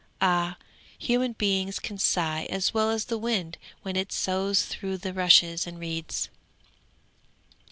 Ah, human beings can sigh as well as the wind when it soughs through the rushes and reeds.